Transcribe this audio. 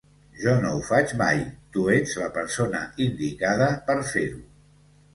Jo no ho faig mai; tu ets la persona indicada per fer-ho.